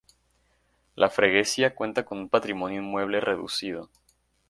La freguesia cuenta con un patrimonio inmueble reducido.